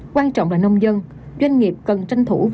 quan trọng là nông dân